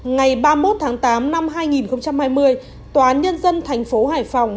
ngày ba mươi một tháng tám năm hai nghìn hai mươi tòa án nhân dân thành phố hải phòng